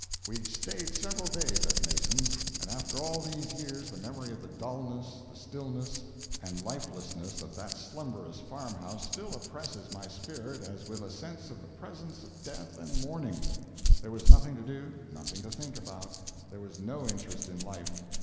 We stayed several days at Mason's; and after all these years the memory of the dullness, the stillness and lifelessness of that slumberous farm house still oppresses my spirit as with a sense of the presence of death and mourning. There was nothing to do, nothing to think about; there was no interest in life.